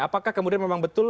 apakah kemudian memang betul